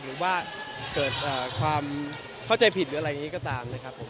หรือว่าเกิดความเข้าใจผิดหรืออะไรอย่างนี้ก็ตามนะครับผม